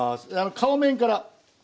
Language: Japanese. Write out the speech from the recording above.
皮面から。